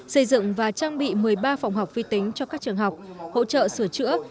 xây dựng và trang bị một mươi ba phòng học vi tính cho các trường học hỗ trợ sửa chữa